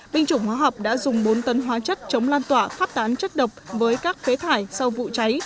binh chủng hóa học đã dùng bốn tấn hóa chất chống lan tỏa phát tán chất độc với các phế thải sau vụ cháy